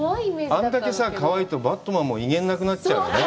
あんだけかわいいと、バットマンも威厳なくなっちゃうね。